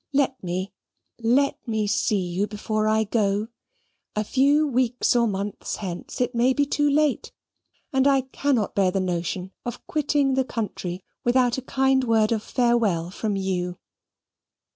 Let me, let me see you before I go. A few weeks or months hence it may be too late, and I cannot bear the notion of quitting the country without a kind word of farewell from you."